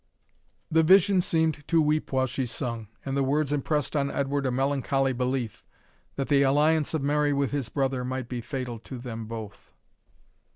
The vision seemed to weep while she sung; and the words impressed on Edward a melancholy belief, that the alliance of Mary with his brother might be fatal to them both.